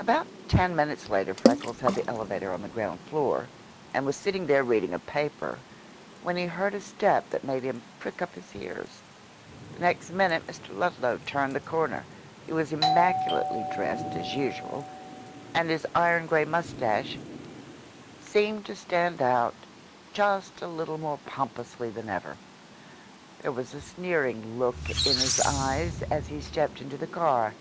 About ten minutes later Freckles had the elevator on the ground floor, and was sitting there reading a paper, when he heard a step that made him prick up his ears. The next minute Mr. Ludlow turned the corner. He was immaculately dressed, as usual, and his iron grey moustache seemed to stand out just a little more pompously than ever. There was a sneering look in his eyes as he stepped into the car.